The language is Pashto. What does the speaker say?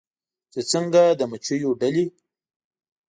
چې څنګه د مچېو ډلې